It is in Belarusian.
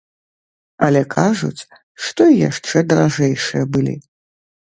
Але кажуць, што і яшчэ даражэйшыя былі.